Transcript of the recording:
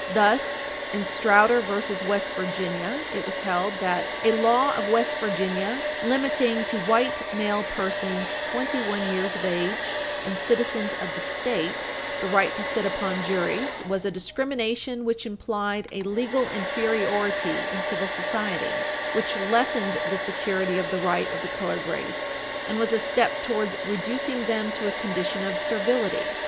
Thus, in Strauder v. West Virginia, 100 U. S. 303, it was held that a law of West Virginia limiting to white male persons, 21 years of age and citizens of the State, the right to sit upon juries was a discrimination which implied a legal inferiority in civil society, which lessened the security of the right of the colored race, and was a step toward reducing them to a condition of servility.